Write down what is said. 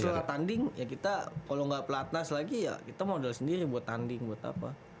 tetep setelah tanding ya kita kalau nggak pelatnas lagi ya kita model sendiri buat tanding buat apa